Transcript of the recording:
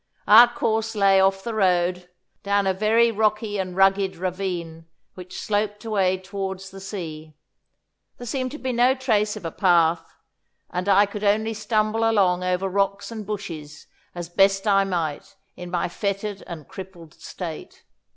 Our course lay off the road, down a very rocky and rugged ravine which sloped away towards the sea. There seemed to be no trace of a path, and I could only stumble along over rocks and bushes as best I might in my fettered and crippled state.